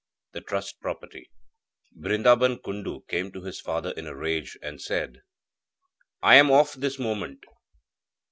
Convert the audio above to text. THE TRUST PROPERTY I Brindaban Kundu came to his father in a rage and said: 'I am off this moment.'